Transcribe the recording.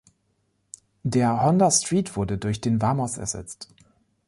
Der Honda Street wurde durch den Vamos ersetzt.